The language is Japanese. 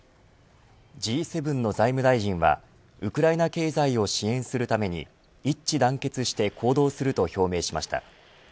Ｇ７の財務大臣はウクライナ経済を支援するために一致団結して行動すると表明しました。